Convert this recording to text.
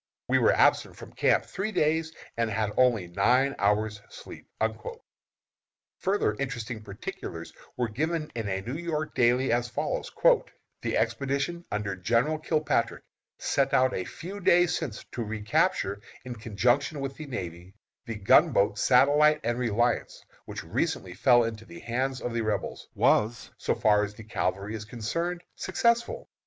We were absent from camp three days, and had only nine hours' sleep." Further interesting particulars were given in a New York daily, as follows: "The expedition under General Kilpatrick, sent out a few days since to recapture, in conjunction with the navy, the gunboats Satellite and Reliance, which recently fell into the hands of the Rebels, was, so far as the cavalry is concerned, successful.